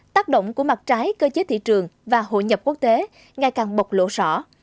tác động của mặt trái cơ chế thị trường và hội nhập quốc tế ngày càng bộc lộ rõ